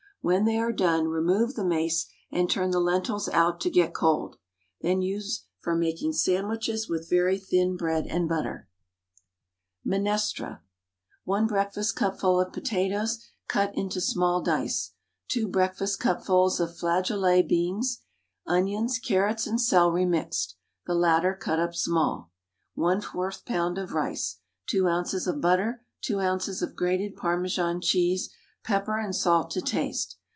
When they are done remove the mace and turn the lentils out to get cold. Then use for making sandwiches with very thin bread and butter. MINESTRA. 1 breakfastcupful of potatoes cut into small dice, 2 breakfastcupfuls of flagolet beans, onions, carrots, and celery mixed (the latter cut up small), 1/4 lb. of rice, 2 oz. of butter, 2 oz. of grated Parmesan cheese, pepper and salt to taste.